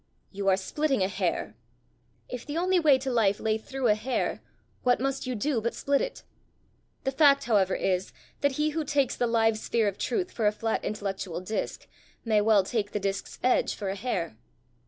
"You are splitting a hair!" "If the only way to life lay through a hair, what must you do but split it? The fact, however, is, that he who takes the live sphere of truth for a flat intellectual disc, may well take the disc's edge for a hair."